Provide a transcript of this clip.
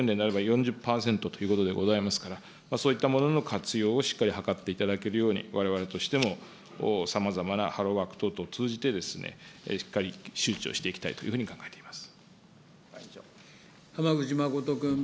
特に特定、４０％、そういったものの活用をしっかり図っていただけるように、われわれとしても、さまざまなハローワーク等々通じて、しっかり周知をしていきたいというふうに考えております。